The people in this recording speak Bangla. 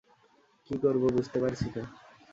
কি করবো বুঝতে পারছি না।